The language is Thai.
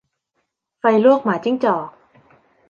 ไฟลวกหมาจิ้งจอก